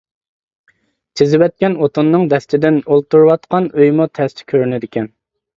تىزىۋەتكەن ئوتۇننىڭ دەستىدىن ئولتۇرۇۋاتقان ئۆيىمۇ تەستە كۆرۈنىدىكەن.